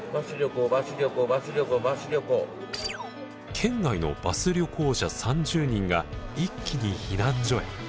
県外のバス旅行者３０人が一気に避難所へ。